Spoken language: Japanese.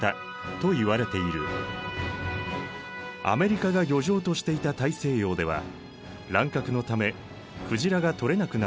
アメリカが漁場としていた大西洋では乱獲のため鯨が取れなくなっていた。